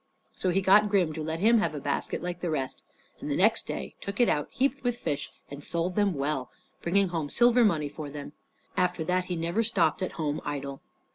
So he got Grim to let him have a basket like the rest, and next day took it out heaped with fish, and sold them well, bringing home silver money for them. After that he never stopped at home idle.